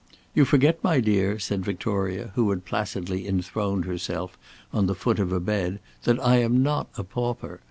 "You forget, my dear," said Victoria, who had placidly enthroned herself on the foot of a bed, "that I am not a pauper.